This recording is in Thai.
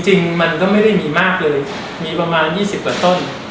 จริงมันก็ไม่ได้มีมากเลยมีประมาณ๒๐กว่าต้น